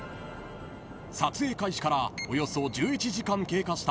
［撮影開始からおよそ１１時間経過した］